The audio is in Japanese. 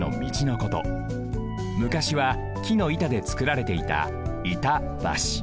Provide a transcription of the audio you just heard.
むかしはきの板でつくられていた板橋。